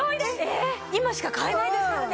今しか買えないですからね。